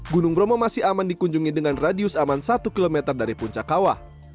gunung bromo masih aman dikunjungi dengan radius aman satu km dari puncak kawah